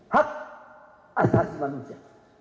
hak asasi manusia